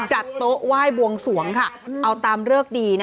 จัดโต๊ะไหว้บวงสวงค่ะเอาตามเลิกดี